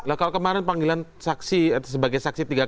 biasanya nggak tahu